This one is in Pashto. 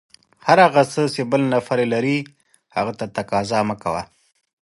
هر هغه څه چې بل نفر یې لري، هغه ته تقاضا مه کوه.